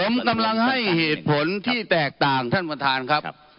ผมกำลังให้เหตุผลที่แตกต่างท่านประธานครับ